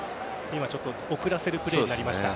今、ちょっと遅らせるプレーになりました。